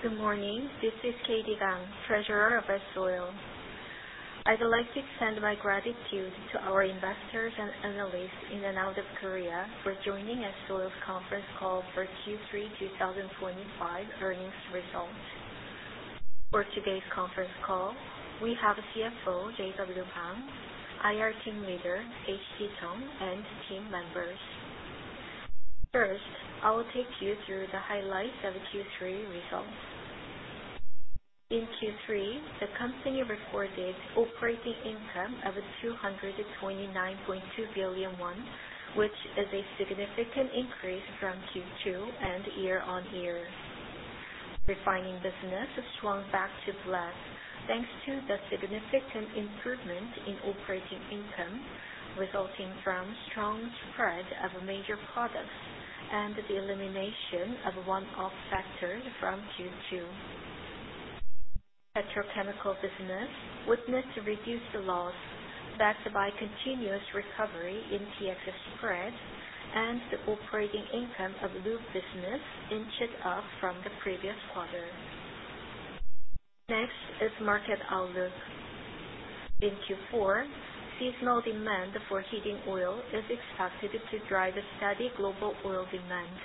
Good morning. This is Katie Bang, Treasurer of S-Oil. I'd like to extend my gratitude to our investors and analysts in and out of Korea for joining S-Oil's conference call for Q3 2025 earnings results. For today's conference call, we have CFO, J.W. Bang, IR Team Leader, H.C. Chung, and team members. First, I will take you through the highlights of Q3 results. In Q3, the company recorded operating income of 229.2 billion won, which is a significant increase from Q2 and year-over-year. Refining business has swung back to black, thanks to the significant improvement in operating income resulting from strong spread of major products and the elimination of one-off factors from Q2. Petrochemical business witnessed reduced loss, backed by continuous recovery in PX spread and the operating income of lube business inched up from the previous quarter. Next is market outlook. In Q4, seasonal demand for heating oil is expected to drive a steady global oil demand.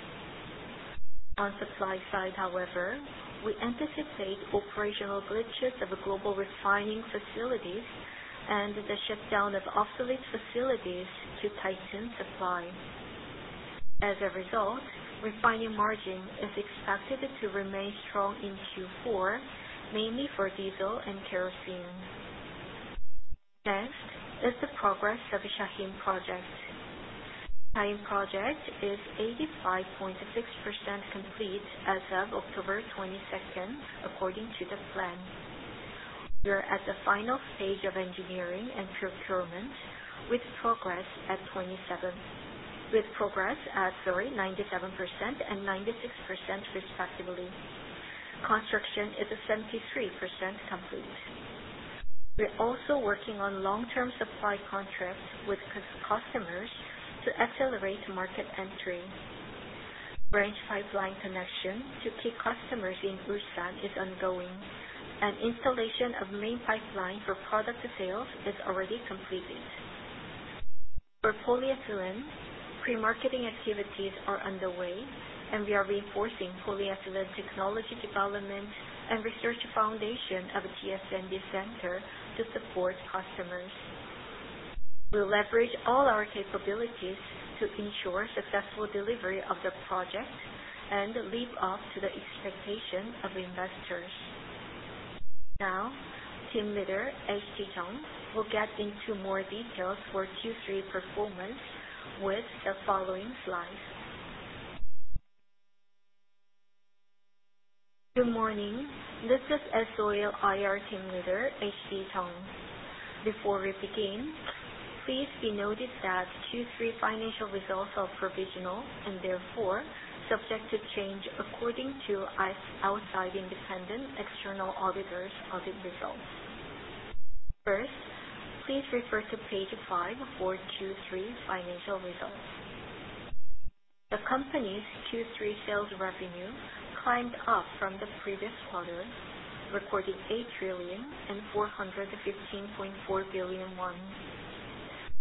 On supply side, however, we anticipate operational glitches of global refining facilities and the shutdown of obsolete facilities to tighten supply. As a result, refining margin is expected to remain strong in Q4, mainly for diesel and kerosene. Next is the progress of the Shaheen Project. Shaheen Project is 85.6% complete as of October 22nd, according to the plan. We are at the final stage of engineering and procurement with progress at 39.7% and 96% respectively. Construction is 73% complete. We're also working on long-term supply contracts with customers to accelerate market entry. Branch pipeline connection to key customers in Busan is ongoing, and installation of main pipeline for product sales is already completed. For polyethylene, pre-marketing activities are underway, and we are reinforcing polyethylene technology development and research foundation of a TS&D Center to support customers. We'll leverage all our capabilities to ensure successful delivery of the project and live up to the expectation of investors. Team Leader H.C. Chung will get into more details for Q3 performance with the following slides. Good morning. This is S-Oil IR Team Leader, H.C. Chung. Before we begin, please be noted that Q3 financial results are provisional and therefore subject to change according to outside independent external auditors' audit results. First, please refer to page five for Q3 financial results. The company's Q3 sales revenue climbed up from the previous quarter, recording 8,415.4 billion.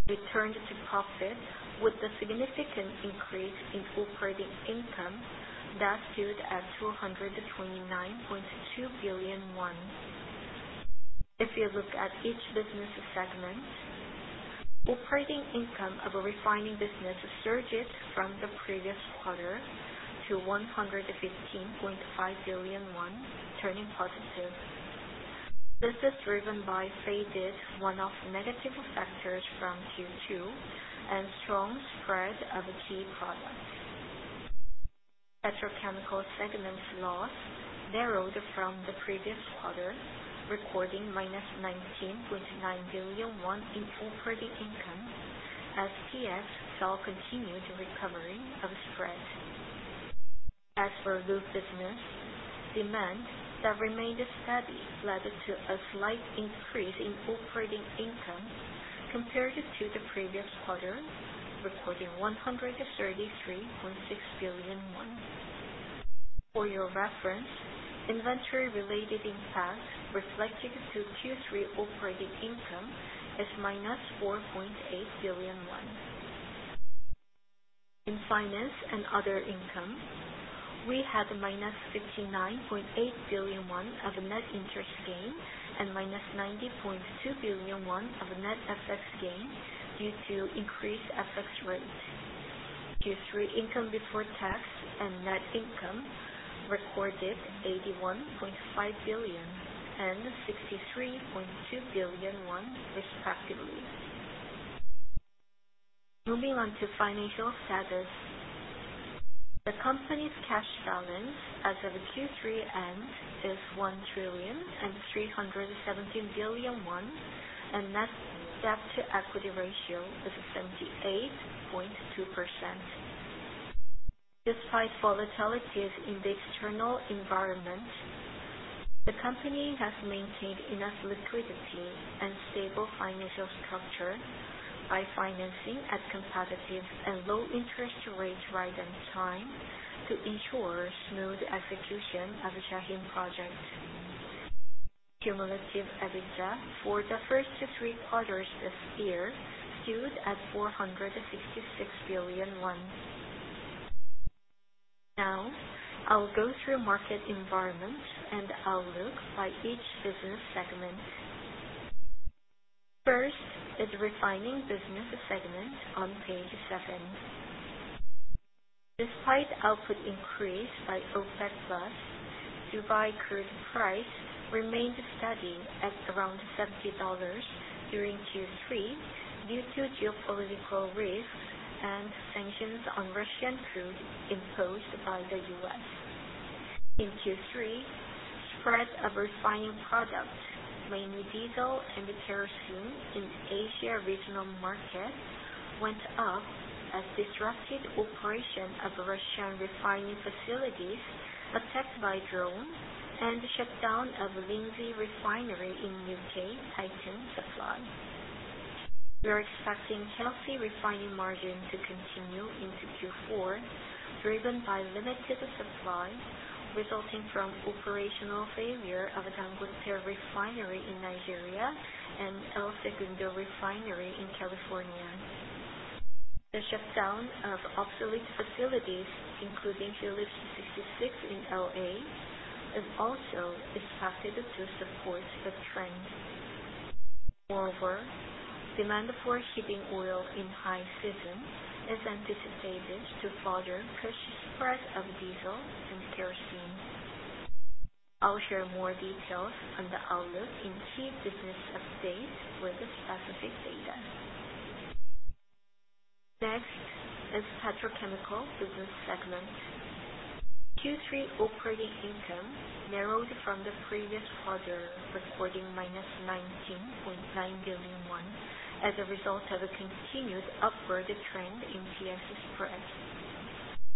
We returned to profit with a significant increase in operating income that stood at 229.2 billion won. If you look at each business segment, operating income of a refining business surges from the previous quarter to 115.5 billion won, turning positive. This is driven by faded one-off negative factors from Q2 and strong spread of a key product. Petrochemical segment's loss narrowed from the previous quarter, recording -19.9 billion won in operating income as PX saw continued recovering of spread. As for lube business, demand that remained steady led to a slight increase in operating income compared to the previous quarter, recording KRW 133.6 billion. For your reference, inventory related impact reflecting to Q3 operating income is -4.8 billion won. In finance and other income, we had a -69.8 billion won of net interest gain and -90.2 billion won of net FX gain due to increased FX rate. Q3 income before tax and net income recorded 81.5 billion and 63.2 billion won respectively. Moving on to financial status. The company's cash balance as of Q3 end is 1 trillion 317 billion, and net debt to equity ratio is 78.2%. Despite volatilities in the external environment, the company has maintained enough liquidity and stable financial structure by financing at competitive and low interest rates right on time to ensure smooth execution of the Shaheen Project. Cumulative EBITDA for the first three quarters this year stood at KRW 466 billion. I'll go through market environment and outlook by each business segment. First is refining business segment on page seven. Despite output increase by OPEC+, Dubai crude price remained steady at around 70 dollars during Q3 due to geopolitical risks and sanctions on Russian crude imposed by the U.S. In Q3, spread of refining products, mainly diesel and kerosene in Asia regional market, went up as disrupted operation of Russian refining facilities attacked by drones and shutdown of Lindsey Oil Refinery in U.K. tightened supply. We are expecting healthy refining margin to continue into Q4, driven by limited supply resulting from operational failure of Dangote Refinery in Nigeria and El Segundo Refinery in California. The shutdown of obsolete facilities, including Phillips 66 in L.A., is also expected to support the trend. Demand for shipping oil in high season is anticipated to further push spread of diesel and kerosene. I'll share more details on the outlook in key business updates with specific data. Next is petrochemical business segment. Q3 operating income narrowed from the previous quarter, recording -19.9 billion won, as a result of a continued upward trend in PX spread.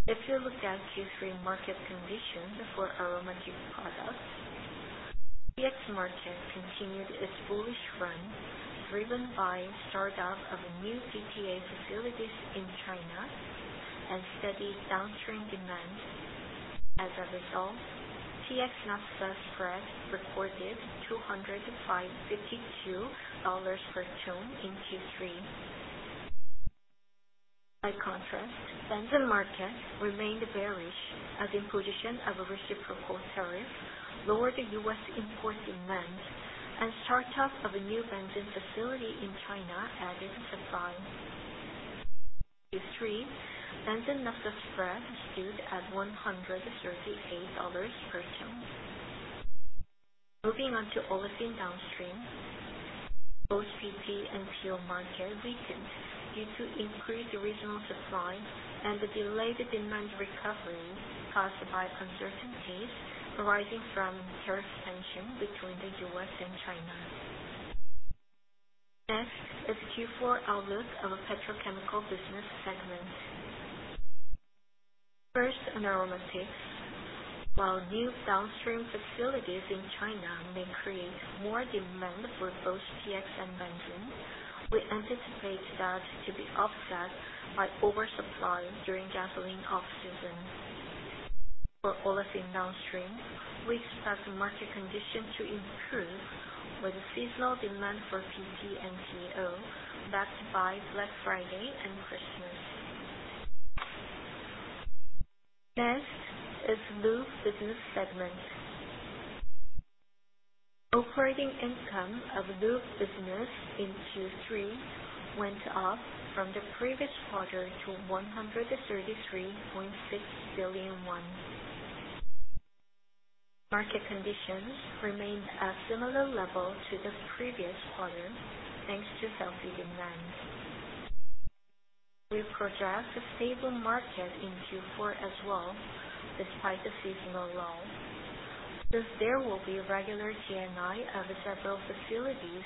If you look at Q3 market conditions for aromatic products, PX market continued its bullish run, driven by startup of new Purified Terephthalic Acid facilities in China and steady downstream demand. PX/Naphtha spread recorded $252 per ton in Q3. Benzene market remained bearish as imposition of reciprocal tariff lowered the U.S. import demand, and startup of a new Benzene facility in China added supply. Q3 Benzene/Naphtha spread stood at $138 per ton. Moving on to Olefin downstream, both PP and PO market weakened due to increased regional supply and delayed demand recovery caused by uncertainties arising from tariff tension between the U.S. and China. Next is Q4 outlook of petrochemical business segment. First, aromatics. While new downstream facilities in China may create more demand for both PX and Benzene, we anticipate that to be offset by oversupply during gasoline off-season. For Olefin downstream, we expect market conditions to improve with seasonal demand for PP and PO backed by Black Friday and Christmas. Next is lube business segment. Operating income of lube business in Q3 went up from the previous quarter to 133.6 billion won. Market conditions remained at similar level to the previous quarter, thanks to healthy demand. We forecast a stable market in Q4 as well, despite the seasonal lull, since there will be regular T/A of several facilities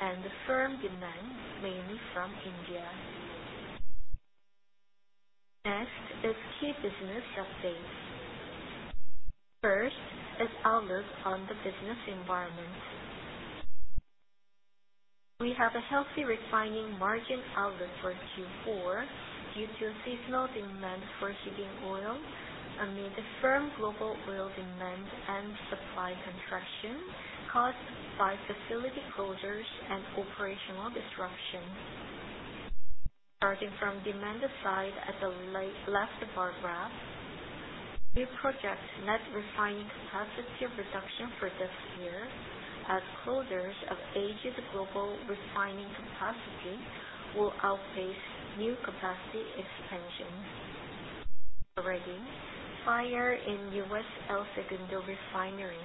and firm demand, mainly from India. Next is key business updates. First is outlook on the business environment. We have a healthy refining margin outlook for Q4 due to seasonal demand for heating oil amid firm global oil demand and supply contraction caused by facility closures and operational disruptions. Starting from demand side at the left bar graph, we project net refining capacity reduction for this year as closures of aged global refining capacity will outpace new capacity expansion. Already, fire in U.S. El Segundo Refinery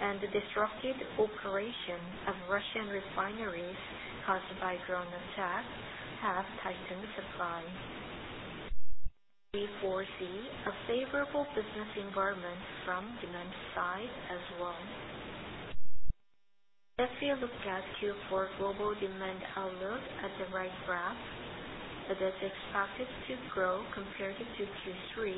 and disrupted operation of Russian refineries caused by drone attacks have tightened supply. We foresee a favorable business environment from demand side as well. Let's take a look at Q4 global demand outlook at the right graph. It is expected to grow compared to Q3,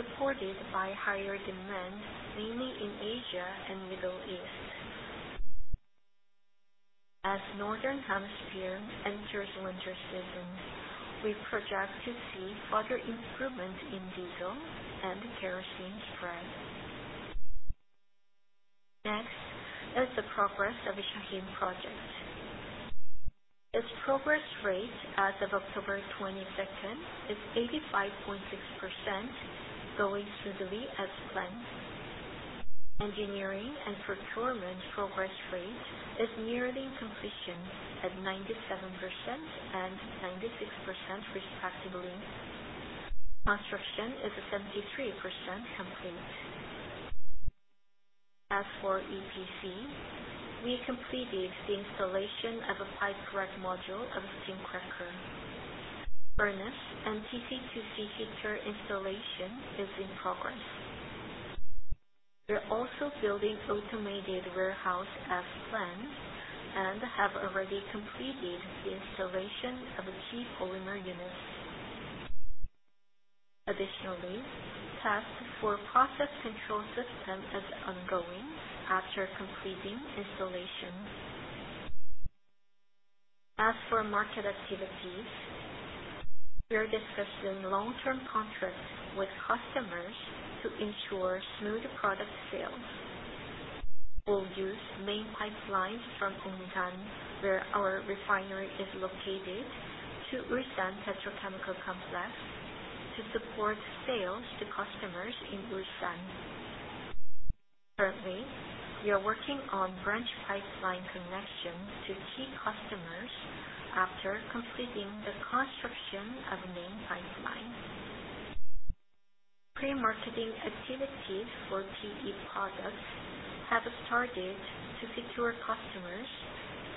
supported by higher demand, mainly in Asia and Middle East. As Northern Hemisphere enters winter season, we project to see further improvement in diesel and kerosene strength. Next is the progress of Shaheen Project. Its progress rate as of October 22nd is 85.6%, going smoothly as planned. Engineering and procurement progress rate is nearing completion at 97% and 96% respectively. Construction is 73% complete. As for EPC, we completed the installation of a pyrolysis module of steam cracker. Furnace and TC2C heater installation is in progress. We are also building automated warehouse as planned and have already completed the installation of the key polymer units. Additionally, test for process control system is ongoing after completing installation. As for market activities, we are discussing long-term contracts with customers to ensure smooth product sales. We'll use main pipelines from Onsan, where our refinery is located, to Ulsan petrochemical complex to support sales to customers in Ulsan. Currently, we are working on branch pipeline connections to key customers after completing the construction of the main pipeline. Pre-marketing activities for PE products have started to secure customers,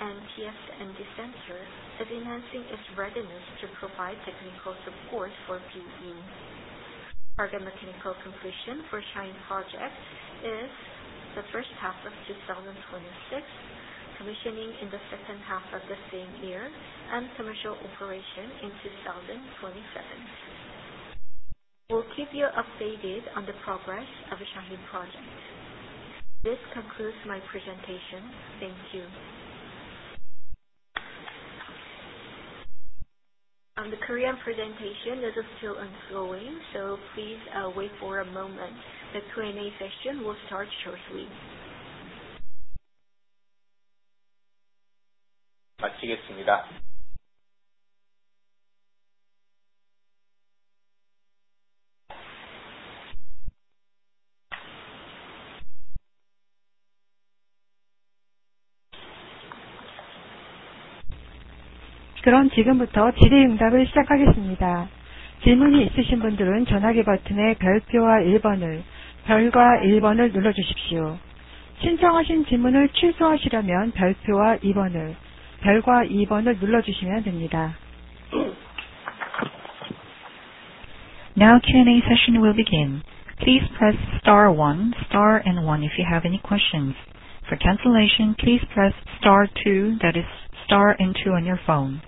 and TS&D Center is enhancing its readiness to provide technical support for PE. Target mechanical completion for Shaheen Project is the first half of 2026, commissioning in the second half of the same year, and commercial operation in 2027. We'll keep you updated on the progress of Shaheen Project. This concludes my presentation. Thank you. The Korean presentation is still ongoing, please wait for a moment. The Q&A session will start shortly. 마치겠습니다. 그럼 지금부터 질의응답을 시작하겠습니다. 질문이 있으신 분들은 전화기 버튼의 별표와 1번을, 별과 1번을 눌러주십시오. 신청하신 질문을 취소하시려면 별표와 2번을, 별과 2번을 눌러주시면 됩니다. Q&A session will begin. Please press star one, star and one if you have any questions. For cancellation, please press star two, that is star and two on your phone.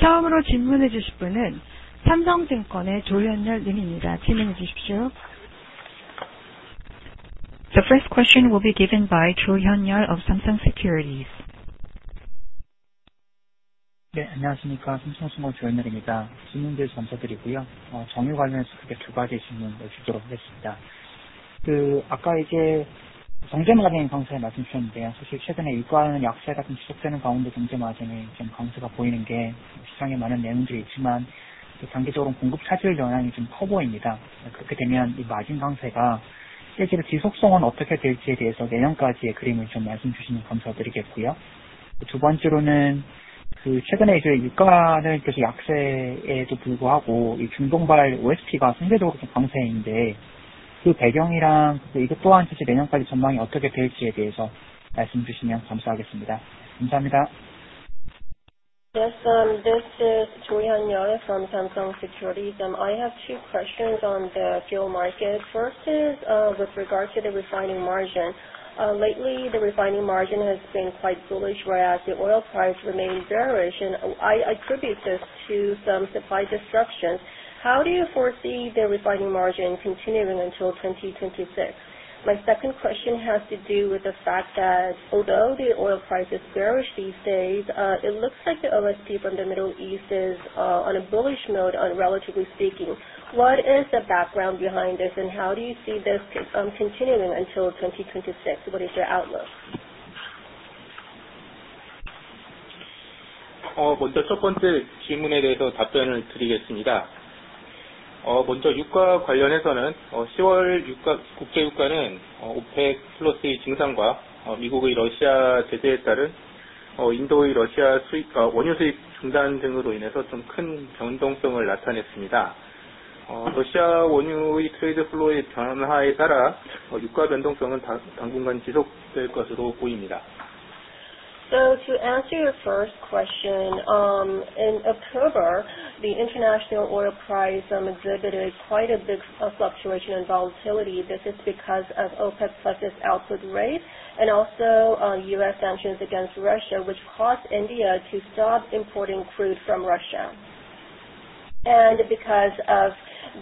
처음으로 질문해 주실 분은 삼성증권의 조현열 님입니다. 질문해 주십시오. The first question will be given by Jo Hyun-yeol of Samsung Securities. 네, 안녕하십니까. 삼성증권 조현열입니다. 질문들 감사드리고요. 정유 관련해서 크게 두 가지 질문을 드리도록 하겠습니다. 아까 정제마진 강세 말씀주셨는데요. 사실 최근에 유가는 약세가 지속되는 가운데 정제마진의 강세가 보이는 게 시장의 많은 내용들이 있지만 단기적으로 공급 차질 영향이 커 보입니다. 그렇게 되면 마진 강세가 실제로 지속성은 어떻게 될지에 대해서 내년까지의 그림을 말씀 주시면 감사드리겠고요. 두 번째로는 최근에 유가는 계속 약세에도 불구하고 중동발 OSP가 상대적으로 강세인데, 그 배경이랑 이것 또한 사실 내년까지 전망이 어떻게 될지에 대해서 말씀 주시면 감사하겠습니다. 감사합니다. Yes, this is Jo Hyun-yeol from Samsung Securities. I have two questions on the fuel market. First is with regard to the refining margin. Lately, the refining margin has been quite bullish whereas the oil price remains bearish. I attribute this to some supply disruptions. How do you foresee the refining margin continuing until 2026? My second question has to do with the fact that although the oil price is bearish these days, it looks like the OSP from the Middle East is on a bullish mode on relatively speaking. What is the background behind this? How do you see this continuing until 2026? What is your outlook? 먼저 첫 번째 질문에 대해서 답변을 드리겠습니다. 먼저 유가와 관련해서는 10월 국제유가는 OPEC+의 증산과 미국의 러시아 제재에 따른 인도의 러시아 원유 수입 중단 등으로 인해서 큰 변동성을 나타냈습니다. 러시아 원유의 트레이드 플로우의 변화에 따라 유가 변동성은 당분간 지속될 것으로 보입니다. To answer your first question, in October, the international oil price exhibited quite a big fluctuation in volatility. This is because of OPEC Plus's output rate and also U.S. sanctions against Russia, which caused India to stop importing crude from Russia. Because of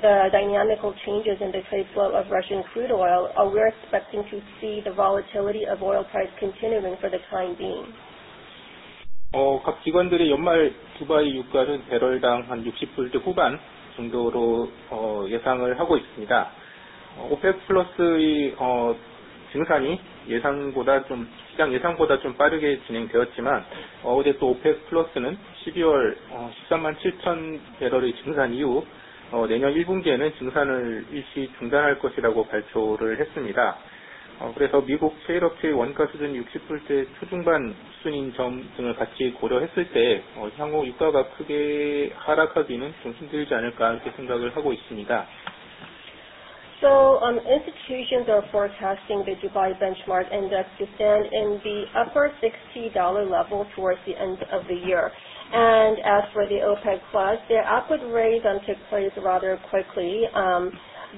the dynamical changes in the trade flow of Russian crude oil, we're expecting to see the volatility of oil price continuing for the time being. 각 기관들의 연말 두바이 유가는 배럴당 60불대 후반 정도로 예상을 하고 있습니다. OPEC+의 증산이 시장 예상보다 빠르게 진행되었지만, 어제 OPEC+는 12월 13만 7천 배럴의 증산 이후 내년 1분기에는 증산을 일시 중단할 것이라고 발표를 했습니다. 그래서 미국 셰일업체의 원가 수준이 60불대 초중반 수준인 점 등을 같이 고려했을 때, 향후 유가가 크게 하락하기는 힘들지 않을까, 이렇게 생각을 하고 있습니다. Institutions are forecasting the Dubai benchmark index to stand in the upper $60 level towards the end of the year. As for the OPEC+, their output rates took place rather quickly.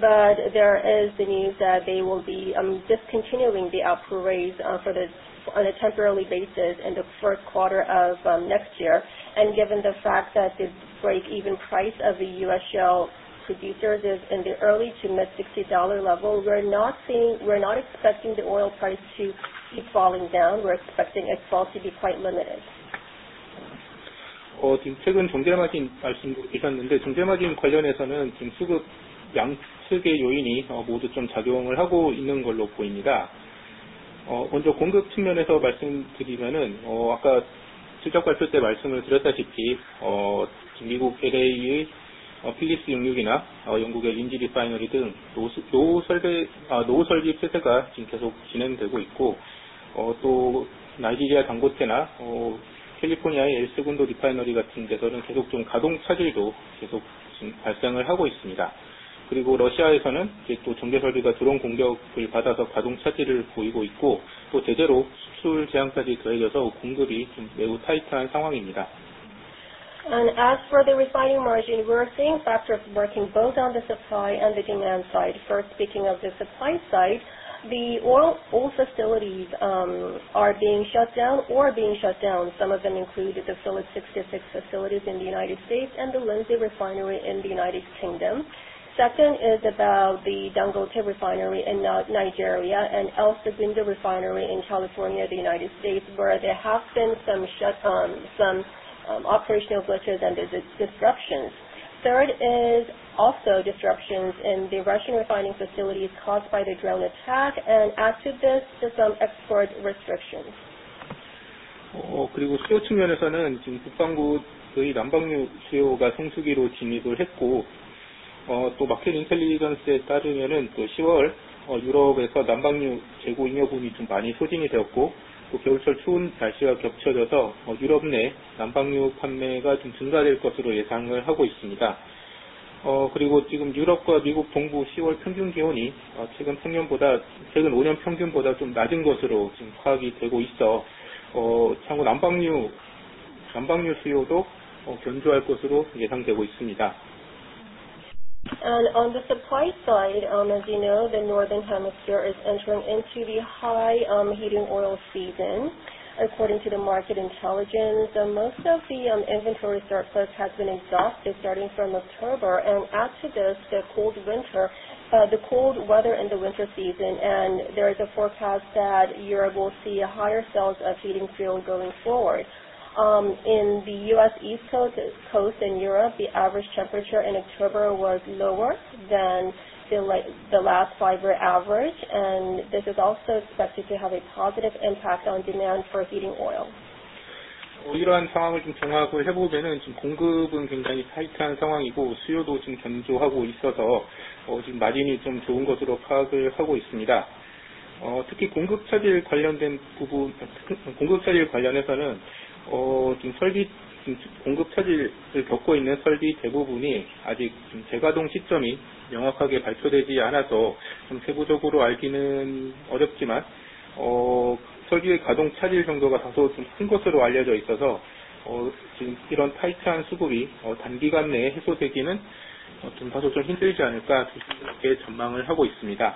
There is the news that they will be discontinuing the output raise on a temporary basis in the first quarter of next year. Given the fact that the break-even price of the U.S. shale producers is in the early to mid $60 level, we're not expecting the oil price to keep falling down. We're expecting its fall to be quite limited. 지금 최근 정제마진 말씀도 계셨는데 정제마진 관련해서는 지금 수급 양측의 요인이 모두 작용을 하고 있는 걸로 보입니다. 먼저 공급 측면에서 말씀드리면 아까 실적 발표 때 말씀을 드렸다시피, 미국 LA의 Phillips 66이나 영국의 Lindsey Oil Refinery 등 노후 설비 폐쇄가 지금 계속 진행되고 있고, 또 나이지리아 Dangote나 캘리포니아의 El Segundo Refinery 같은 데서는 가동 차질도 계속 발생을 하고 있습니다. 그리고 러시아에서는 정제설비가 드론 공격을 받아서 가동 차질을 보이고 있고, 또 제재로 수출 제한까지 더해져서 공급이 매우 타이트한 상황입니다. As for the refining margin, we're seeing factors working both on the supply and the demand side. First, speaking of the supply side, the oil facilities are being shut down or being shut down. Some of them include the Phillips 66 facilities in the U.S. and the Lindsey Refinery in the U.K. Second is about the Dangote Refinery in Nigeria and El Segundo Refinery in California, the U.S., where there have been some operational glitches and there's disruptions. Third is also disruptions in the Russian refining facilities caused by the drone attack. Add to this some export restrictions. 수요 측면에서는 북반구의 난방유 수요가 성수기로 진입을 했고, Market Intelligence에 따르면 10월 유럽에서 난방유 재고 잉여분이 많이 소진이 되었고, 겨울철 추운 날씨와 겹쳐져서 유럽 내 난방유 판매가 증가될 것으로 예상을 하고 있습니다. 유럽과 미국 동부 10월 평균 기온이 최근 5년 평균보다 낮은 것으로 파악이 되고 있어, 향후 난방유 수요도 견조할 것으로 예상되고 있습니다. On the supply side, as you know, the northern hemisphere is entering into the high heating oil season. According to the Market Intelligence, most of the inventory surplus has been exhausted starting from October. Add to this the cold weather in the winter season, and there is a forecast that Europe will see higher sales of heating fuel going forward. In the U.S. east coast and Europe, the average temperature in October was lower than the last five-year average, and this is also expected to have a positive impact on demand for heating oil. 이러한 상황을 종합해보면, 공급은 굉장히 타이트한 상황이고 수요도 견조하고 있어서 마진이 좋은 것으로 파악하고 있습니다. 특히 공급 차질 관련해서는, 공급 차질을 겪고 있는 설비 대부분이 아직 재가동 시점이 명확하게 발표되지 않아서 세부적으로 알기는 어렵지만, 설비의 가동 차질 정도가 다소 큰 것으로 알려져 있어서 지금 이런 타이트한 수급이 단기간 내에 해소되기는 다소 힘들지 않을까 싶은 전망을 하고 있습니다.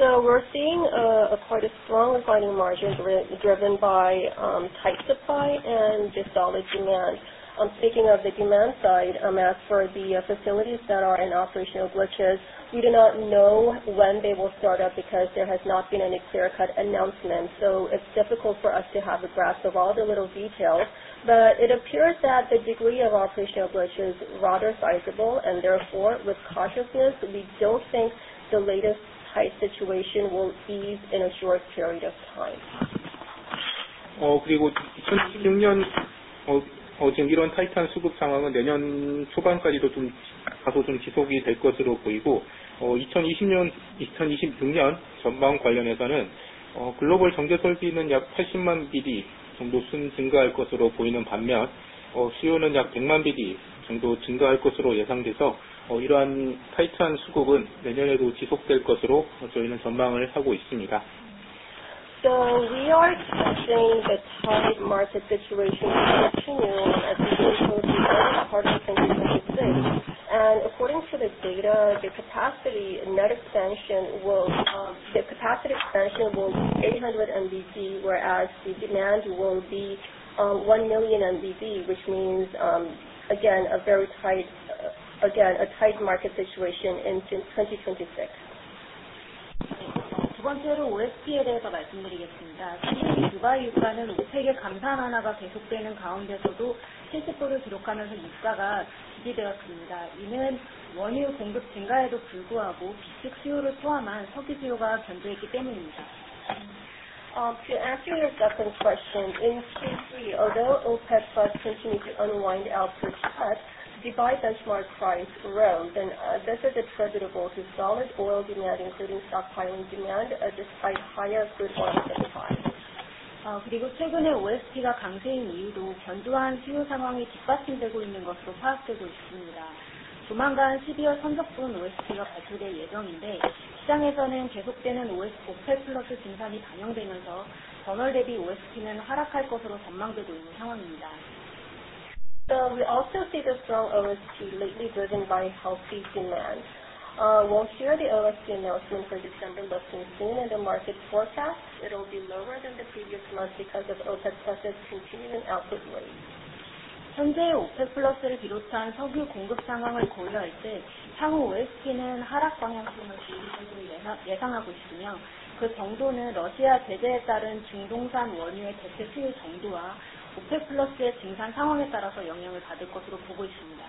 We're seeing a quite a strong refining margin driven by tight supply and solid demand. Speaking of the demand side, as for the facilities that are in operational glitches, we do not know when they will start up because there has not been any clear-cut announcement. It's difficult for us to have a grasp of all the little details. It appears that the degree of operational glitch is rather sizable and therefore, with cautiousness, we don't think the latest tight situation will ease in a short period of time. 그리고 이런 타이트한 수급 상황은 내년 초반까지도 다소 지속이 될 것으로 보이고, 2026년 전망 관련해서는 글로벌 정제설비는 약 80만 bpd 정도 증가할 것으로 보이는 반면 수요는 약 100만 bpd 정도 증가할 것으로 예상돼서 이러한 타이트한 수급은 내년에도 지속될 것으로 저희는 전망을 하고 있습니다. We are expecting the tight market situation to continue as we go through the first part of 2026. According to the data, the capacity expansion will be 800MBPD, whereas the demand will be 1 million KBPD, which means, again, a tight market situation into 2026. 두 번째로 OSP에 대해서 말씀드리겠습니다. 최근 두바이 유가는 OPEC+의 감산 합의가 계속되는 가운데서도 $70을 기록하면서 유가가 유지되었습니다. 이는 원유 공급 증가에도 불구하고 비축 수요를 포함한 석유 수요가 견조했기 때문입니다. To answer your second question, in Q3, although OPEC continues to unwind output cuts, Dubai benchmark price rose and this is attributable to solid oil demand, including stockpiling demand despite higher crude oil supply. 그리고 최근의 OSP가 강세인 이유도 견조한 수요 상황이 뒷받침되고 있는 것으로 파악되고 있습니다. 조만간 12월 산적분 OSP가 발표될 예정인데, 시장에서는 계속되는 OPEC+ 증산이 반영되면서 전월 대비 OSP는 하락할 것으로 전망되고 있는 상황입니다. We also see the strong OSP lately driven by healthy demand. We'll hear the OSP announcement for December, but we've seen in the market forecast it'll be lower than the previous month because of OPEC+'s continuing output raise. 현재 OPEC+를 비롯한 석유 공급 상황을 고려할 때 향후 OSP는 하락 방향성을 유지할 것으로 예상하고 있으며, 그 정도는 러시아 제재에 따른 중동산 원유의 대체 수요 정도와 OPEC+의 증산 상황에 따라서 영향을 받을 것으로 보고 있습니다.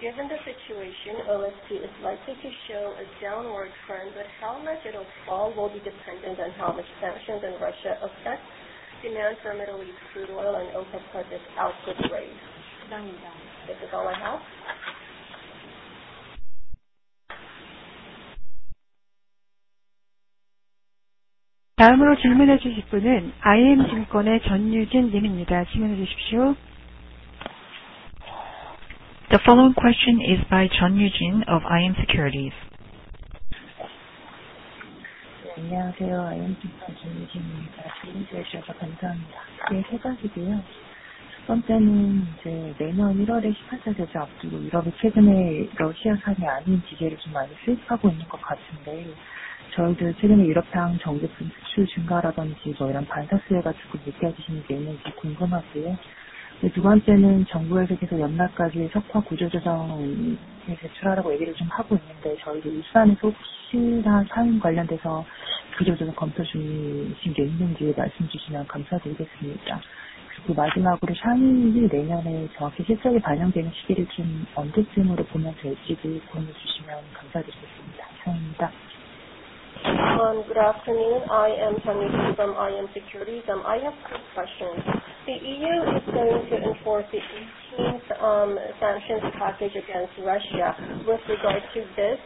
Given the situation, OSP is likely to show a downward trend, but how much it'll fall will be dependent on how the sanctions in Russia affect demand for Middle East crude oil and OPEC+'s output raise. 이상입니다. This is all I have. 다음으로 질문해 주실 분은 iM증권의 전유진 님입니다. 질문해 주십시오. The following question is by 전유진 of iM Securities. 안녕하세요. iM증권 전유진입니다. 질의해 주셔서 감사합니다. 질의 세 가지고요. 첫 번째는 내년 1월에 18차 제재 앞두고 유럽이 최근에 러시아산이 아닌 기재를 많이 수입하고 있는 것 같은데, 저희들 최근에 유럽산 정제수 증가라든지 이런 반사 수요에 가지고 느껴지시는 게 있는지 궁금하고요. 두 번째는 정부에서 계속 연말까지 석화 구조조정안을 제출하라고 얘기를 하고 있는데 저희들 울산에서 혹시 사안 관련돼서 구조조정 검토 중인 게 있는지 말씀해 주시면 감사드리겠습니다. 그리고 마지막으로 샤힌이 내년에 정확히 실적에 반영되는 시기를 언제쯤으로 보면 될지 도움을 주시면 감사드리겠습니다. 감사합니다. Good afternoon, I am 전유진 from iM Securities. I have three questions. The EU is going to enforce the 18th sanctions package against Russia. With regards to this,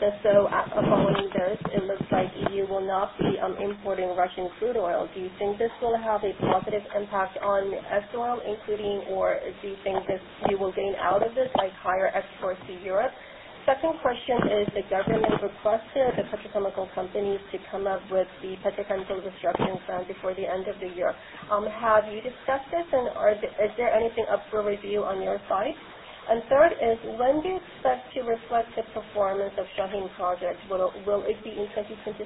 following this, it looks like EU will not be importing Russian crude oil. Do you think this will have a positive impact on S-Oil, including or do you think you will gain out of this like higher exports to Europe? Second question is the government requested the petrochemical companies to come up with the petrochemical reduction plan before the end of the year. Have you discussed this? Is there anything up for review on your side? Third is when do you expect to reflect the performance of Shaheen Project? Will it be in 2026?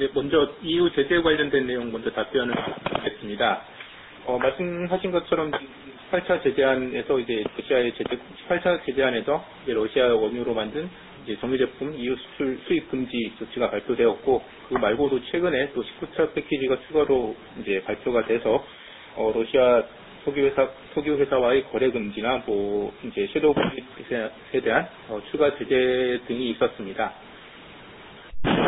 네, 먼저 EU 제재 관련된 내용 먼저 답변을 드리겠습니다. 말씀하신 것처럼 18차 제재안에서 러시아 원유로 만든 정유 제품 EU 수출 수입 금지 조치가 발표되었고, 그 말고도 최근에 19차 패키지가 추가로 발표가 돼서 러시아 석유 회사와의 거래 금지나 섀도 플릿에 대한 추가 제재 등이 있었습니다.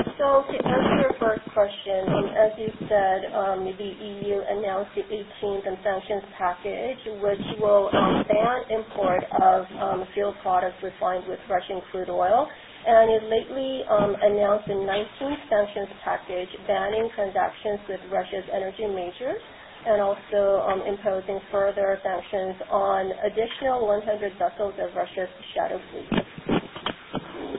To answer your first question, as you said, the EU announced the 18th sanctions package, which will ban import of fuel products refined with Russian crude oil, and it lately announced the 19th sanctions package, banning transactions with Russia's energy majors and also imposing further sanctions on additional 100 vessels of Russia's shadow fleet.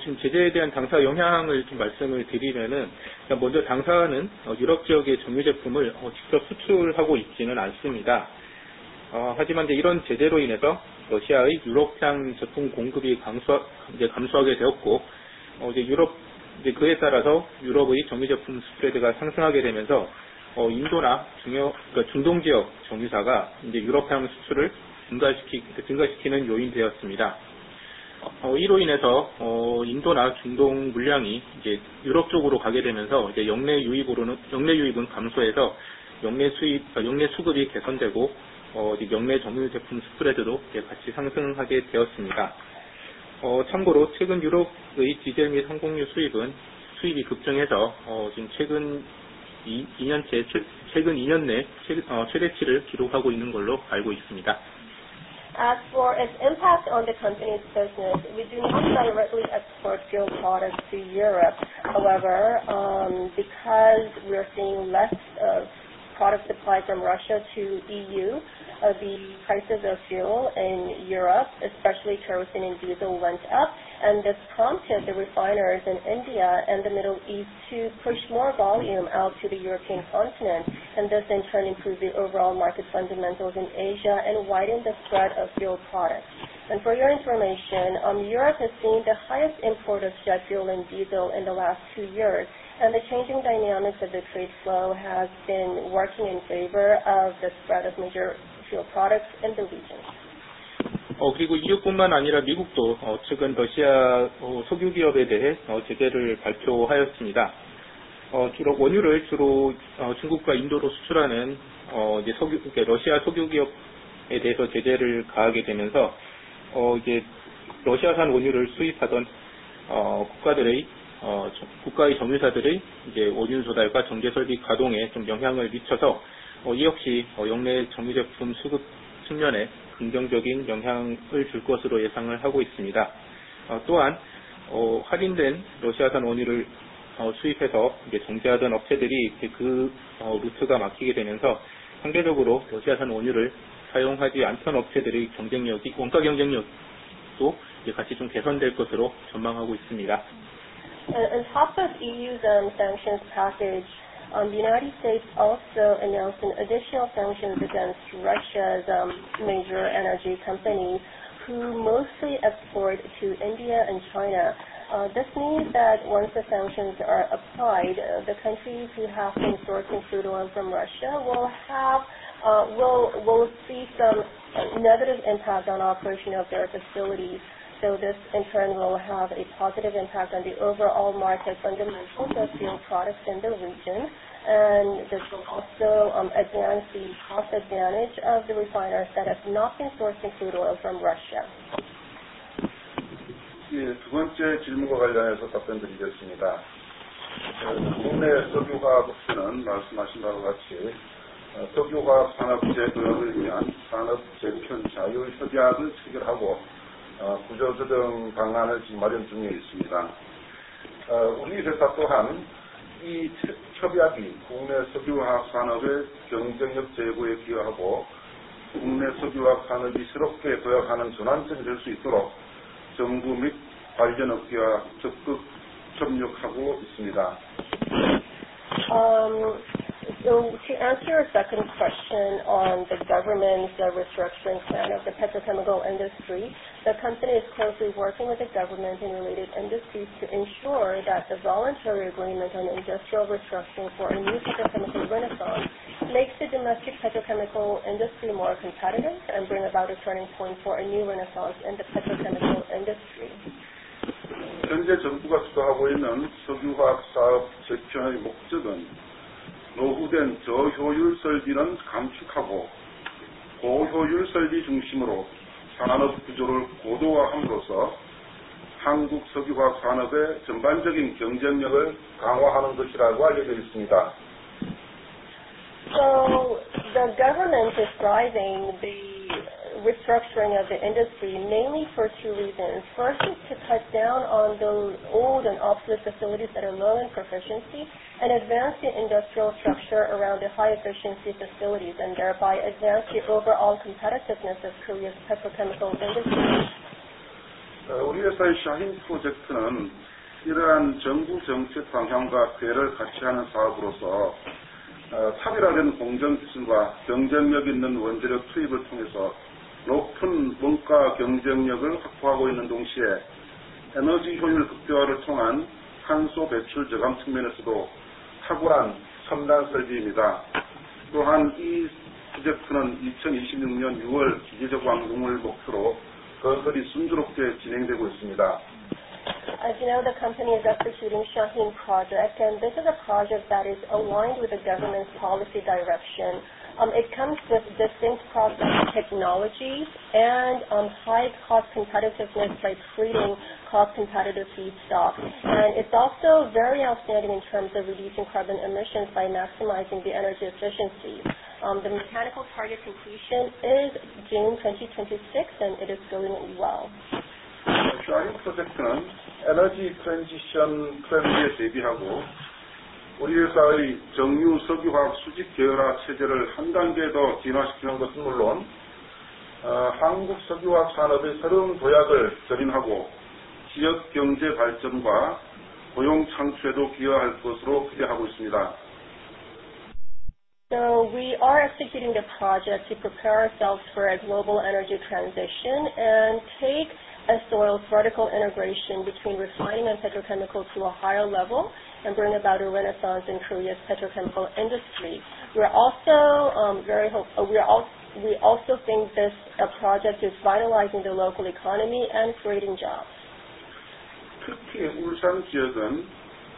지금 제재에 대한 당사 영향을 말씀을 드리면, 먼저 당사는 유럽 지역의 정유 제품을 직접 수출하고 있지는 않습니다. 하지만 이런 제재로 인해서 러시아의 유럽산 제품 공급이 감소하게 되었고, 그에 따라서 유럽의 정유 제품 스프레드가 상승하게 되면서 인도나 중동 지역 정유사가 유럽산 수출을 증가시키는 요인이 되었습니다. 이로 인해서 인도나 중동 물량이 유럽 쪽으로 가게 되면서 역내 유입은 감소해서 역내 수급이 개선되고, 역내 정유 제품 스프레드도 같이 상승하게 되었습니다. 참고로 최근 유럽의 디젤 및 석유 수입은 수입이 급증해서 최근 2년 내 최대치를 기록하고 있는 걸로 알고 있습니다. As for its impact on the company's business, we do not directly export fuel products to Europe. However, because we are seeing less of product supply from Russia to EU, the prices of fuel in Europe, especially kerosene and diesel, went up, and this prompted the refiners in India and the Middle East to push more volume out to the European continent, and this in turn improved the overall market fundamentals in Asia and widened the spread of fuel products. For your information, Europe has seen the highest import of jet fuel and diesel in the last two years, and the changing dynamics of the trade flow has been working in favor of the spread of major fuel products in the region. 그리고 EU뿐만 아니라 미국도 최근 러시아 석유 기업에 대해 제재를 발표하였습니다. 주로 원유를 중국과 인도로 수출하는 러시아 석유 기업에 대해서 제재를 가하게 되면서, 러시아산 원유를 수입하던 국가의 정유사들의 원유 조달과 정제 설비 가동에 영향을 미쳐서, 이 역시 역내 정제 제품 수급 측면에 긍정적인 영향을 줄 것으로 예상을 하고 있습니다. 또한 할인된 러시아산 원유를 수입해서 정제하던 업체들이 그 루트가 막히게 되면서 상대적으로 러시아산 원유를 사용하지 않던 업체들의 원가 경쟁력도 같이 개선될 것으로 전망하고 있습니다. On top of EU sanctions package, the United States also announced an additional sanctions against Russia's major energy companies who mostly export to India and China. This means that once the sanctions are applied, the countries who have been sourcing crude oil from Russia will see some negative impact on operation of their facilities. This, in turn, will have a positive impact on the overall market fundamentals of fuel products in the region. This will also advance the cost advantage of the refiners that have not been sourcing crude oil from Russia. 두 번째 질문과 관련해서 답변드리겠습니다. 국내 석유화학업체는 말씀하신 바와 같이 석유화학 산업 재도약을 위한 산업 재구축 자유협약을 체결하고 구조조정 방안을 마련 중에 있습니다. 우리 회사 또한 이 협약이 국내 석유화학 산업의 경쟁력 제고에 기여하고 국내 석유화학 산업이 새롭게 도약하는 전환점이 될수 있도록 정부 및 관련 업계와 적극 협력하고 있습니다. To answer your second question on the government restructuring plan of the petrochemical industry, the company is closely working with the government and related industries to ensure that the voluntary agreement on industrial restructure for a new petrochemical renaissance makes the domestic petrochemical industry more competitive and bring about a turning point for a new renaissance in the petrochemical industry. 현재 정부가 주도하고 있는 석유화학 사업 재편의 목적은 노후된 저효율 설비를 감축하고 고효율 설비 중심으로 산업 구조를 고도화함으로써 한국 석유화학 산업의 전반적인 경쟁력을 강화하는 것이라고 알려져 있습니다. The government is driving the restructuring of the industry mainly for two reasons. First is to cut down on those old and obsolete facilities that are low in proficiency and advance the industrial structure around the high-efficiency facilities, and thereby advance the overall competitiveness of Korea's petrochemical industry. 우리 회사의 샤힌 프로젝트는 이러한 정부 정책 방향과 궤를 같이하는 사업으로서, 차별화된 공정 기술과 경쟁력 있는 원재료 투입을 통해서 높은 원가 경쟁력을 확보하고 있는 동시에 에너지 효율 극대화를 통한 탄소 배출 저감 측면에서도 탁월한 첨단 설비입니다. 또한 이 프로젝트는 2026년 6월 기계적 완공을 목표로 건설이 순조롭게 진행되고 있습니다. As you know, the company is executing Shaheen Project. This is a project that is aligned with the government's policy direction. It comes with distinct process technologies and high cost competitiveness by creating cost-competitive feedstock. It's also very outstanding in terms of reducing carbon emissions by maximizing the energy efficiency. The mechanical target completion is June 2026. It is going well. 샤힌 프로젝트는 Energy Transition Trend에 대비하고 우리 회사의 정유 석유화학 수직계열화 체제를 한 단계 더 진화시키는 것은 물론, 한국 석유화학 산업의 새로운 도약을 견인하고 지역 경제 발전과 고용 창출에도 기여할 것으로 기대하고 있습니다. We are executing the project to prepare ourselves for a global energy transition and take S-Oil's vertical integration between refining and petrochemical to a higher level and bring about a renaissance in Korea's petrochemical industry. We also think this project is vitalizing the local economy and creating jobs. 특히 울산 지역은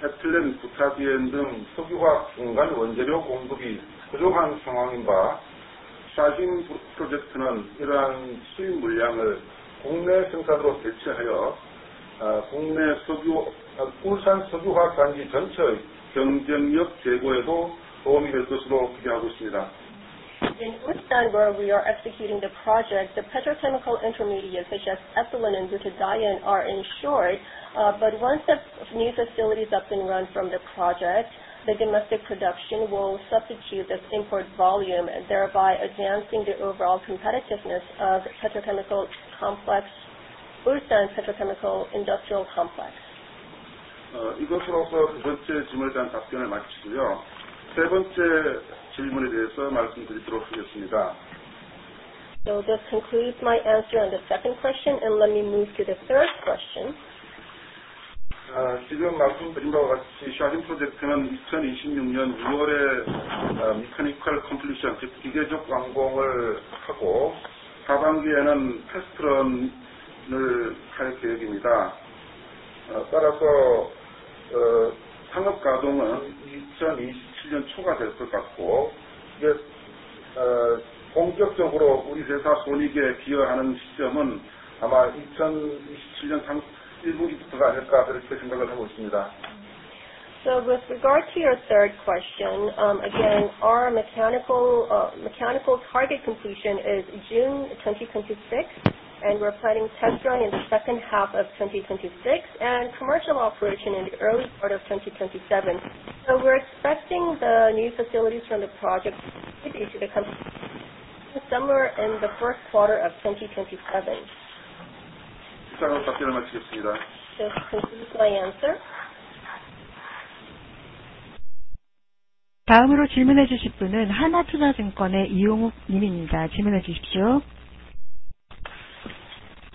에틸렌, 부타디엔 등 석유화학 중간 원재료 공급이 부족한 상황인데 샤힌 프로젝트는 이러한 수입 물량을 국내 생산으로 대체하여 울산 석유화학 단지 전체의 경쟁력 제고에도 도움이 될 것으로 기대하고 있습니다. In Ulsan, where we are executing the project, the petrochemical intermediates such as ethylene and butadiene are in short. Once the new facility is up and running from the project, the domestic production will substitute this import volume, thereby advancing the overall competitiveness of Ulsan petrochemical industrial complex. 이것으로서 두 번째 질문에 대한 답변을 마치고요. 세 번째 질문에 대해서 말씀드리도록 하겠습니다. This concludes my answer on the second question. Let me move to the third question. 지금 말씀드린 바와 같이 샤힌 프로젝트는 2026년 2월에 mechanical completion, 즉 기계적 완공을 하고 하반기에는 test run을 할 계획입니다. 따라서 상업 가동은 2027년 초가 될것 같고, 본격적으로 우리 회사 손익에 기여하는 시점은 아마 2027년 1분기부터가 아닐까 그렇게 생각을 하고 있습니다. With regard to your third question, again, our mechanical target completion is June 2026, and we're planning test run in the second half of 2026 and commercial operation in the early part of 2027. We're expecting the new facilities from the project to contribute to the company somewhere in the first quarter of 2027. 이상으로 답변을 마치겠습니다. This concludes my answer. 다음으로 질문해 주실 분은 하나투자증권의 이용욱 님입니다. 질문해 주십시오.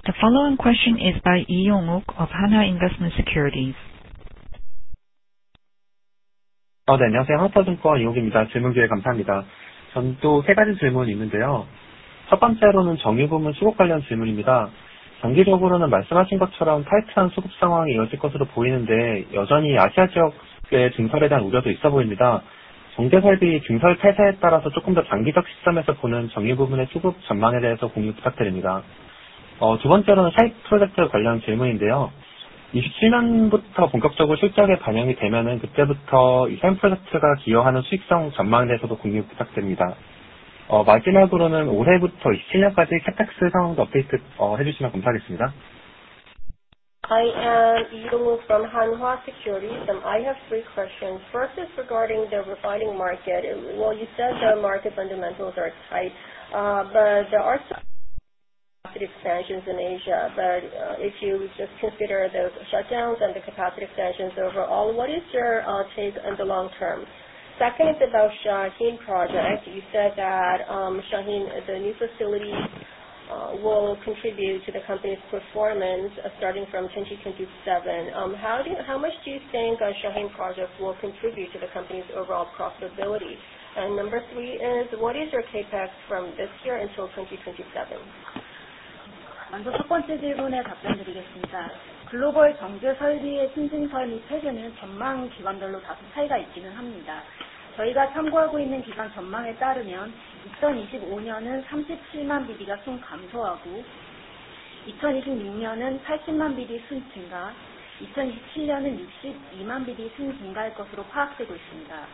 The following question is by Lee Yong Wook of Hana Investment Security. 네, 안녕하세요. 하나증권 이용욱입니다. 질문 기회 감사합니다. 저는 또세 가지 질문이 있는데요. 첫 번째로는 정유 부문 수급 관련 질문입니다. 단기적으로는 말씀하신 것처럼 타이트한 수급 상황이 이어질 것으로 보이는데 여전히 아시아 지역의 증설에 대한 우려도 있어 보입니다. 정제 설비 증설 폐쇄에 따라서 조금 더 장기적 시점에서 보는 정유 부문의 수급 전망에 대해서 공유 부탁드립니다. 두 번째로는 샤힌 프로젝트 관련 질문인데요. 27년부터 본격적으로 실적에 반영이 되면 그때부터 샤힌 프로젝트가 기여하는 수익성 전망에 대해서도 공유 부탁드립니다. 마지막으로는 올해부터 27년까지 CapEx 상황도 업데이트해 주시면 감사하겠습니다. I am Lee Yong Wook from Hana Securities, and I have three questions. First is regarding the refining market. Well, you said the market fundamentals are tight, but there are some capacity expansions in Asia. If you just consider those shutdowns and the capacity expansions overall, what is your take on the long term? Second is about Shaheen Project. You said that Shaheen, the new facility, will contribute to the company's performance starting from 2027. How much do you think the Shaheen Project will contribute to the company's overall profitability? Number three is, what is your CapEx from this year until 2027? 먼저 첫 번째 질문에 답변드리겠습니다. 글로벌 정제 설비의 증설 및 폐쇄는 전망 기관별로 다소 차이가 있기는 합니다. 저희가 참고하고 있는 기관 전망에 따르면 2025년은 37만 KBD가 총감소하고, 2026년은 80만 KBD 순증가, 2027년은 62만 KBD 순증가할 것으로 파악되고 있습니다.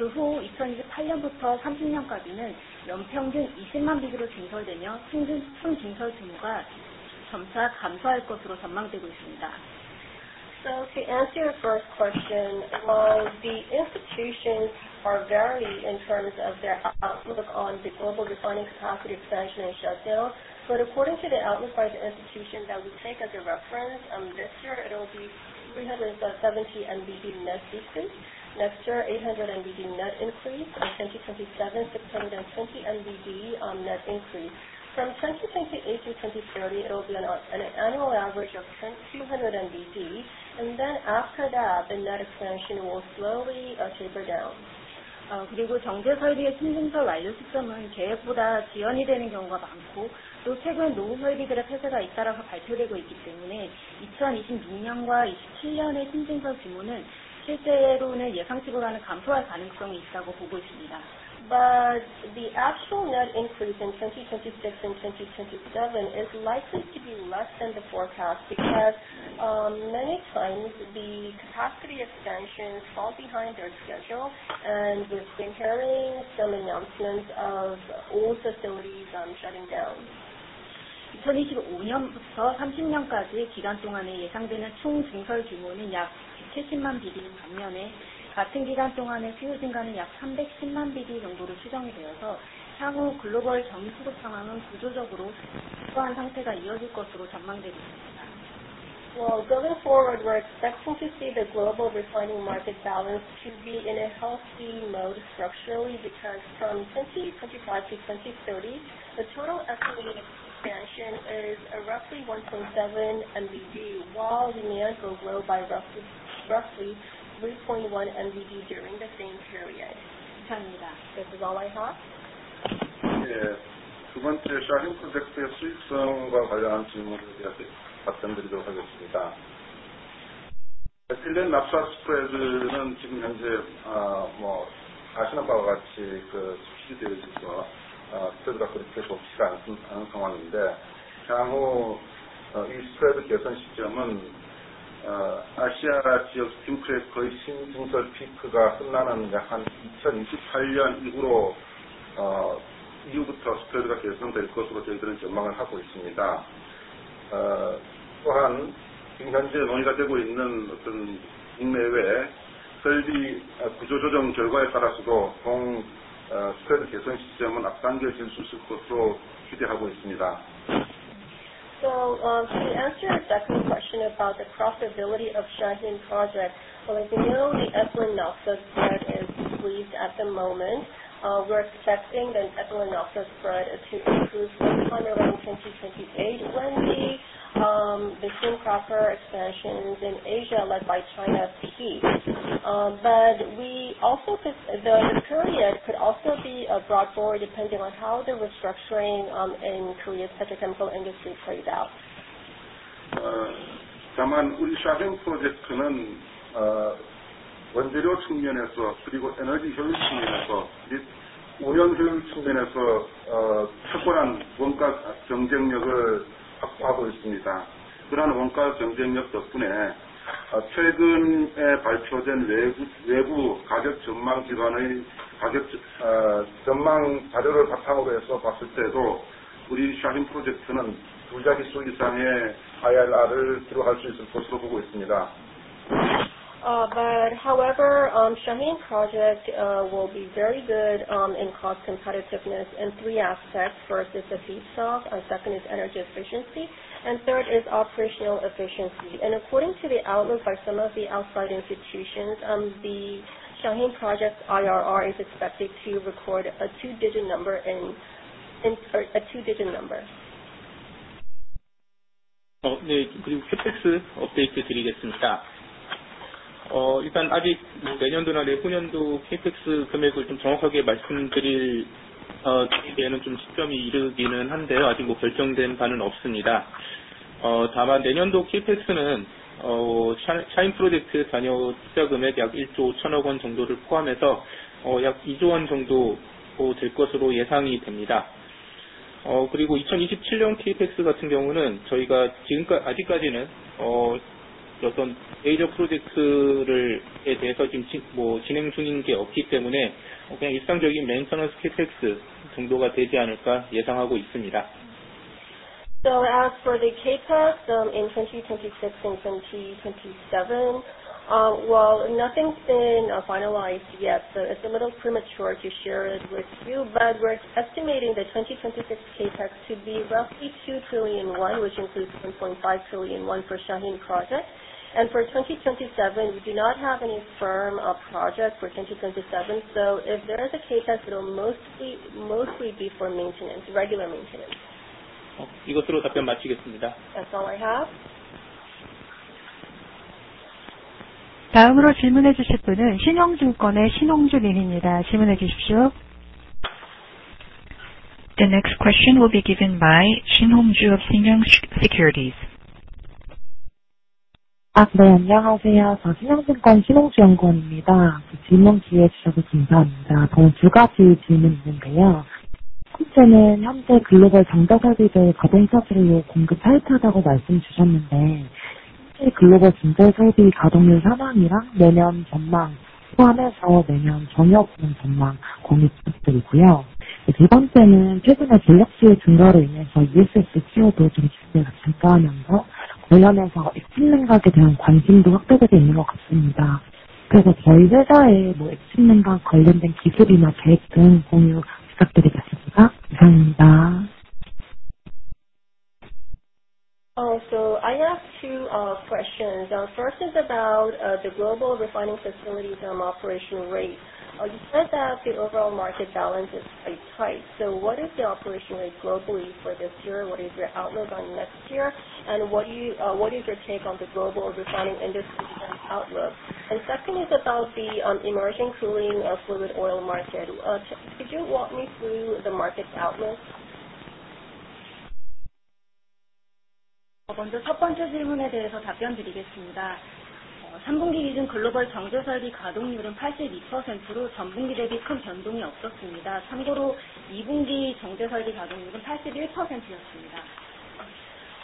그후 2028년부터 2030년까지는 연평균 20만 KBD로 증설되며 총 증설 규모가 점차 감소할 것으로 전망되고 있습니다. To answer your first question, while the institutions vary in terms of their outlook on the global refining capacity expansion and shutdown. According to the outlook by the institution that we take as a reference, this year, it will be 370 KBD net decrease. Next year, 800 KBD net increase. In 2027, 620 KBD net increase. From 2028 to 2030, it will be an annual average of 2,200 KBD. After that, the net expansion will slowly taper down. 그리고 정제 설비의 증설 완료 시점은 계획보다 지연이 되는 경우가 많고, 또 최근 노후 설비들의 폐쇄가 잇따라서 발표되고 있기 때문에 2026년과 27년의 증설 규모는 실제로는 예상치보다는 감소할 가능성이 있다고 보고 있습니다. The actual net increase in 2026 and 2027 is likely to be less than the forecast because many times the capacity expansions fall behind their schedule. We've been hearing some announcements of old facilities shutting down. 2025년부터 2030년까지 기간 동안에 예상되는 총 증설 규모는 약 170만 BD인 반면에, 같은 기간 동안의 수요 증가는 약 310만 BD 정도로 추정이 되어서 향후 글로벌 정유 수급 상황은 구조적으로 긴박한 상태가 이어질 것으로 전망되고 있습니다. Going forward, we're expecting to see the global refining market balance to be in a healthy mode structurally, because from 2025 to 2030, the total estimated expansion is roughly 1.7 KBD, while demand will grow by roughly 3.1 KBD during the same period. 감사합니다. This is all I have. 네, 두 번째 샤힌 프로젝트의 수익성에 관련한 질문에 대해 답변드리도록 하겠습니다. ethylene-naphtha spread는 지금 현재 아시는 바와 같이 squeeze되어 있어서 spread가 그렇게 높지가 않은 상황인데, 향후 이 spread 개선 시점은 아시아 지역 steam cracker의 신증설 peak가 끝나는 약 2028년 이후부터 spread가 개선될 것으로 저희들은 전망을 하고 있습니다. 또한 지금 현재 논의가 되고 있는 국내외 설비 구조조정 결과에 따라서도 동 spread 개선 시점은 앞당겨질 수 있을 것으로 기대하고 있습니다. To answer your second question about the profitability of Shaheen Project, as you know, the ethylene-naphtha spread is squeezed at the moment. We are expecting the ethylene-naphtha spread to improve sometime around 2028 when the steam cracker expansions in Asia led by China peak. The period could also be brought forward depending on how the restructuring in Korea's petrochemical industry plays out. 다만 우리 Shaheen 프로젝트는 원재료 측면에서, 그리고 에너지 효율 측면에서, 그리고 운영 효율 측면에서 탁월한 원가 경쟁력을 확보하고 있습니다. 그런 원가 경쟁력 덕분에 최근에 발표된 외부 가격 전망 기관의 전망 자료를 바탕으로 해서 봤을 때도 우리 Shaheen 프로젝트는 두 자릿수 이상의 IRR을 기록할 수 있을 것으로 보고 있습니다. However, Shaheen Project will be very good in cost competitiveness in three aspects. First is the feedstock, second is energy efficiency, and third is operational efficiency. According to the outlook by some of the outside institutions, the Shaheen Project's IRR is expected to record a two-digit number. CapEx 업데이트 드리겠습니다. 아직 내년도나 내후년도 CapEx 금액을 정확하게 말씀드리기에는 시점이 이르기는 한데요. 아직 결정된 바는 없습니다. 다만 내년도 CapEx는 Shaheen 프로젝트 잔여 투자 금액 약 1조 1천억 원 정도를 포함해서 약 2조 원 정도 될 것으로 예상이 됩니다. 그리고 2027년 CapEx 같은 경우는 저희가 아직까지는 어떤 major 프로젝트에 대해서 진행 중인 게 없기 때문에 그냥 일상적인 maintenance CapEx 정도가 되지 않을까 예상하고 있습니다. As for the CapEx in 2026 and 2027, while nothing's been finalized yet, so it's a little premature to share it with you, we are estimating the 2026 CapEx to be roughly 2 trillion, which includes 1.5 trillion for Shaheen Project. For 2027, we do not have any firm project for 2027. If there is a CapEx, it'll mostly be for maintenance, regular maintenance. 이것으로 답변 마치겠습니다. That's all I have. 다음으로 질문해 주실 분은 Shinyoung Securities의 신홍주 님입니다. 질문해 주십시오. The next question will be given by Shin Hong-ju of Shinyoung Securities. 네, 안녕하세요. Shinyoung Securities 신홍주 연구원입니다. 질문 기회 주셔서 감사합니다. 두 가지 질문이 있는데요. 첫 번째는 현재 글로벌 정제설비들 가동률이 공급 tight하다고 말씀해 주셨는데, 현재 글로벌 정제설비 가동률 상황이랑 내년 전망 포함해서 내년 정유업종 전망 공유 부탁드리고요. 두 번째는 최근에 전력 수요 증가로 인해서 ESS 수요도 증가하면서 관련해서 액침냉각에 대한 관심도 확대되고 있는 것 같습니다. 그래서 저희 회사의 액침냉각 관련된 기술이나 계획 등 공유 부탁드리겠습니다. 감사합니다. I have two questions. First is about the global refining facilities operational rate. You said that the overall market balance is quite tight. What is the operational rate globally for this year? What is your outlook on next year, what is your take on the global refining industry's outlook? Second is about the immersion cooling of fluid oil market. Could you walk me through the market outlook? 먼저 첫 번째 질문에 대해서 답변드리겠습니다. 3분기 기준 글로벌 정제설비 가동률은 82%로 전분기 대비 큰 변동이 없었습니다. 참고로 2분기 정제설비 가동률은 81%였습니다.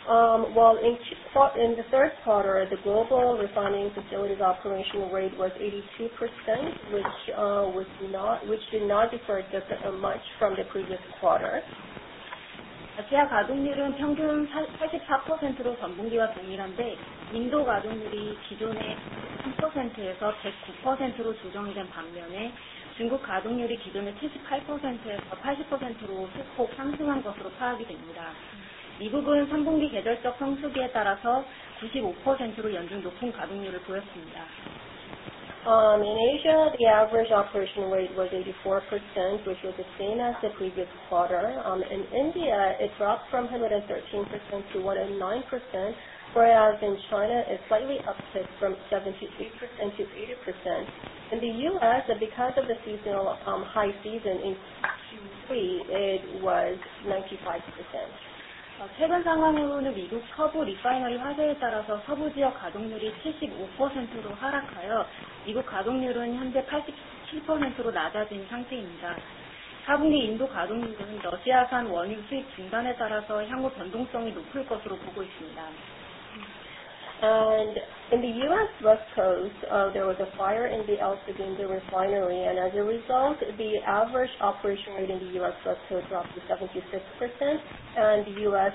Well, in the third quarter, the global refining facilities operational rate was 82%, which did not differ much from the previous quarter. 아시아 가동률은 평균 84%로 전분기와 동일한데, 인도 가동률이 기존의 13%에서 109%로 조정이 된 반면에, 중국 가동률이 기존의 78%에서 80%로 소폭 상승한 것으로 파악이 됩니다. 미국은 3분기 계절적 성수기에 따라서 95%로 연중 높은 가동률을 보였습니다. In Asia, the average operational rate was 84%, which was the same as the previous quarter. In India, it dropped from 113% to 109%, whereas in China, it slightly upticked from 73% to 80%. In the U.S., because of the seasonal high season in. 최근 상황으로는 미국 서부 리파이너리 화재에 따라서 서부 지역 가동률이 75%로 하락하여 미국 가동률은 현재 87%로 낮아진 상태입니다. 4분기 인도 가동률은 러시아산 원유 수입 금번에 따라서 향후 변동성이 높을 것으로 보고 있습니다. In the U.S. west coast, there was a fire in the El Segundo Refinery. As a result, the average operation rate in the U.S. west coast dropped to 76%, and the U.S.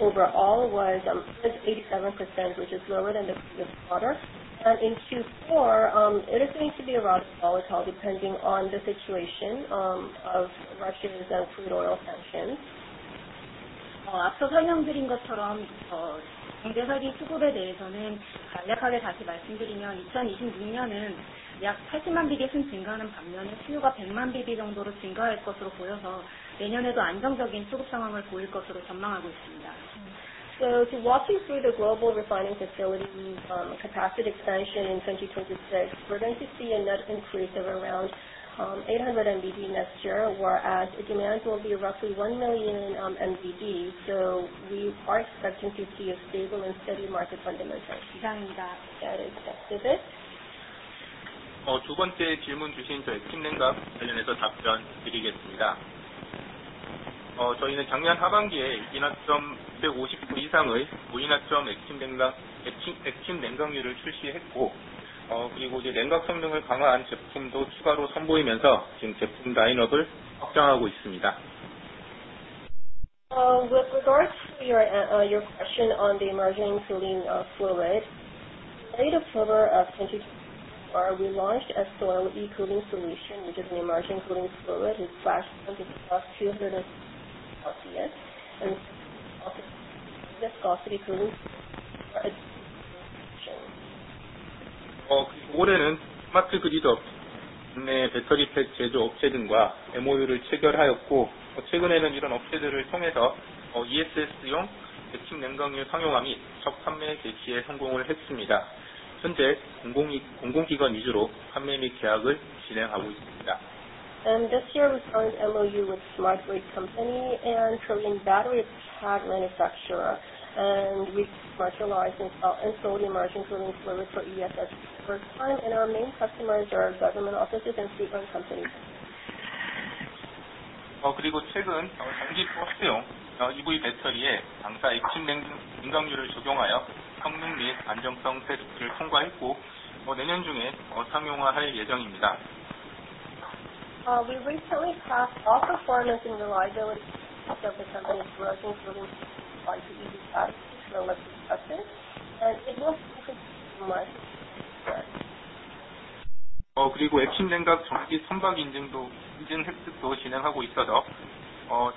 overall was 87%, which is lower than the previous quarter. In Q4, it is going to be rather volatile depending on the situation of Russia's crude oil sanctions. 앞서 설명드린 것처럼 경제성 및 수급에 대해서는 간략하게 다시 말씀드리면 2026년은 약 80만 bpd 증가하는 반면에 수요가 100만 bpd 정도로 증가할 것으로 보여서 내년에도 안정적인 수급 상황을 보일 것으로 전망하고 있습니다. To walk you through the global refining facility capacity expansion in 2026, we are going to see a net increase of around 800 MBD next year, whereas the demand will be roughly 1 million MBD. We are expecting to see a stable and steady market fundamental. 이상입니다. That is it. 두 번째 질문 주신 액침냉각 관련해서 답변드리겠습니다. 저희는 작년 하반기에 159 이상의 고인화점 액침냉각유를 출시했고, 냉각 성능을 강화한 제품도 추가로 선보이면서 지금 제품 라인업을 확장하고 있습니다. With regards to your question on the immersion cooling fluid. Late October of 2024, we launched S-OIL e-Cooling Solution, which is an immersion cooling fluid. It flashes into plus 200 degrees Celsius and has viscosity cooling solution. 그리고 올해는 스마트그리드 업계 내 배터리팩 제조업체 등과 MOU를 체결하였고, 최근에는 이런 업체들을 통해서 ESS용 액침냉각유를 상용화 및첫 판매 개시에 성공을 했습니다. 현재 공공기관 위주로 판매 및 계약을 진행하고 있습니다. This year we signed MOU with Smart Grid Company and Korean Battery Pack Manufacturer, we commercialized and sold immersion cooling fluid for ESS for the first time. Our main customers are government offices and state-owned companies. 그리고 최근 전기버스용 EV 배터리에 당사 액침냉각유를 적용하여 성능 및 안정성 테스트를 통과했고 내년 중에 상용화할 예정입니다. We recently passed off performance and reliability test of the company's working fluid applied to EV bus for electric buses, it will be commercialized next year. 그리고 액침냉각 전기 선박 인증 획득도 진행하고 있어서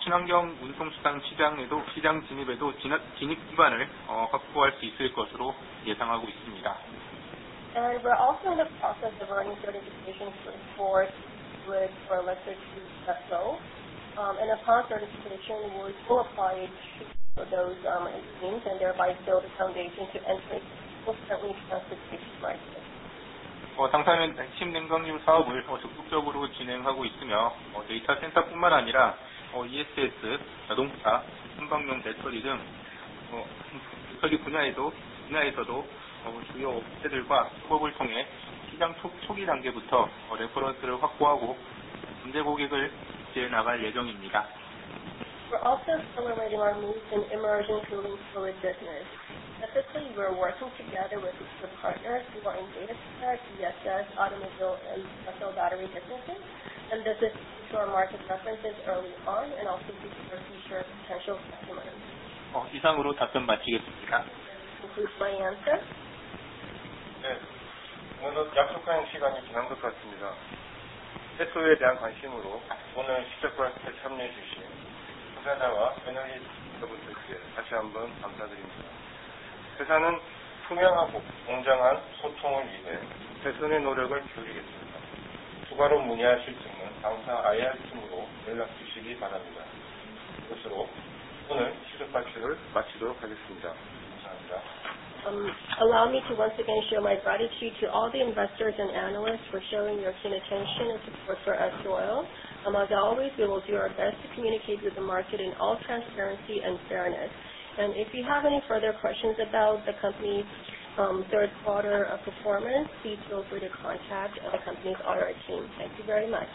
친환경 운송 수단 시장 진입에도 진입 기반을 확보할 수 있을 것으로 예상하고 있습니다. We're also in the process of earning certification for fluid for electric cruise vessels. Upon certification, we will qualify it to those engines and thereby build a foundation to enter into those currently restricted markets. 당사는 액침냉각유 사업을 적극적으로 진행하고 있으며, 데이터 센터뿐만 아니라 ESS, 자동차, 선박용 배터리 등 부설 분야에서도 주요 업체들과 협업을 통해 시장 초기 단계부터 레퍼런스를 확보하고 잠재 고객을 길러 나갈 예정입니다. We're also accelerating our move in immersion cooling fluid business. Specifically, we're working together with partners who are in data center, ESS, automobile and special battery businesses. This is to ensure market references early on and also to secure future potential customers. 이상으로 답변 마치겠습니다. That concludes my answer. 약속한 시간이 지난 것 같습니다. S-Oil에 대한 관심으로 오늘 실적 발표에 참여해 주신 투자자와 애널리스트 여러분들께 다시 한번 감사드립니다. 회사는 투명하고 공정한 소통을 위해 최선의 노력을 기울이겠습니다. 추가로 문의하실 점은 당사 IR팀으로 연락 주시기 바랍니다. 이것으로 오늘 실적 발표를 마치도록 하겠습니다. 감사합니다. Allow me to once again show my gratitude to all the investors and analysts for showing your keen attention and support for S-Oil. As always, we will do our best to communicate with the market in all transparency and fairness. If you have any further questions about the company's third quarter performance, please feel free to contact the company's IR team. Thank you very much.